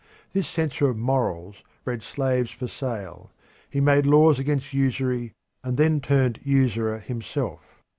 This censor of morals bred slaves for sale. He made laws against usury and then turned usurer himself.